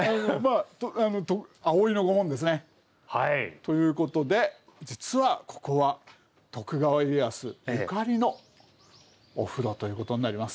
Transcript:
ということで実はここは徳川家康ゆかりのお風呂ということになります。